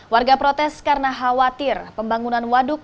warga protes karena khawatir pembangunan waduk